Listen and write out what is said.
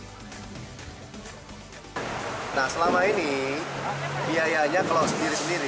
nah selama ini biayanya kalau sendiri sendiri